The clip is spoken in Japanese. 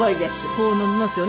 こう伸びますよね。